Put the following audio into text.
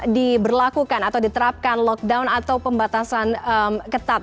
diberlakukan atau diterapkan lockdown atau pembatasan ketat